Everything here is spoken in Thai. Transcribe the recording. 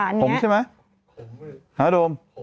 ผมใช่ไหมหาโดม